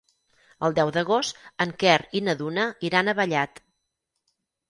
El deu d'agost en Quer i na Duna iran a Vallat.